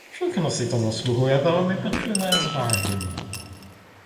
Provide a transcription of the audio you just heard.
Všechno si to zasluhuje velmi pečlivé zvážení.